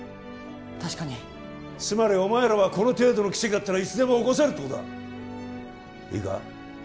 確かにつまりお前らはこの程度の奇跡だったらいつでも起こせるってことだいいか？